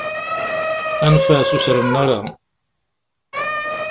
Anef-as, ur as-rennu ara.